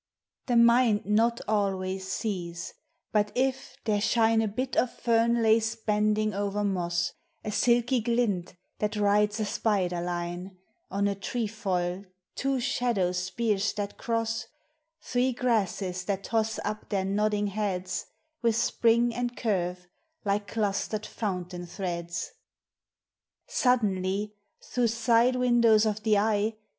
The mind not always sees ; but if there shine A bit of fern lace bending over moss, A silky glint that rides a spider line, On a trefoil two shadow spears that cross, Three grasses that toss up their nodding heads, With spring and curve like clustered fountain threads, Suddenly, through side windows of the eye.